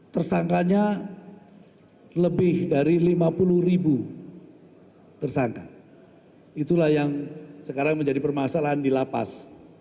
tersangkanya lebih dari lima puluh ribu tersangka itulah yang sekarang menjadi permasalahan di lapas